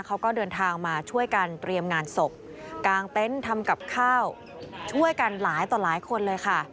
เขาก็เดินทางมาช่วยกันเตรียมงานศพกางเต็นต์ทำกับข้าวช่วยกันหลายต่อหลายคนเลยค่ะ